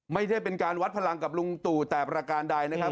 ไม่ได้เป็นการวัดพลังกับลุงตู่แต่ประการใดนะครับ